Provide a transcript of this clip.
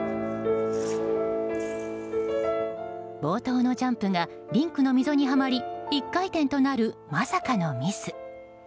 冒頭のジャンプがリンクの溝にはまり１回転となるまさかのミス。